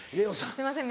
すいません